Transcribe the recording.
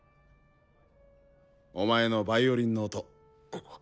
お前のヴァイオリンの音。